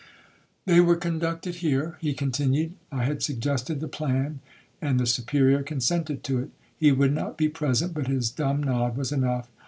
'They were conducted here,' he continued; 'I had suggested the plan, and the Superior consented to it. He would not be present, but his dumb nod was enough.